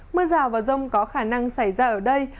mưa rào và rông có khả năng xảy ra ở đây